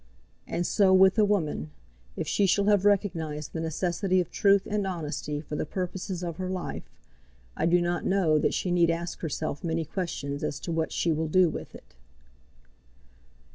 And so with a woman; if she shall have recognised the necessity of truth and honesty for the purposes of her life, I do not know that she need ask herself many questions as to what she will do with it.